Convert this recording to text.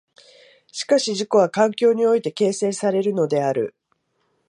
しかし自己は環境において形成されるのである。